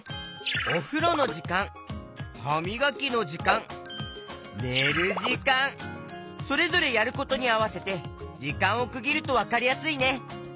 おふろのじかんはみがきのじかんねるじかんそれぞれやることにあわせてじかんをくぎるとわかりやすいね。